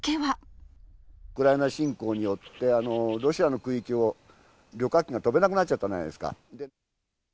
ウクライナ侵攻によって、ロシアの空域を旅客機が飛べなくなっちゃったじゃないですか。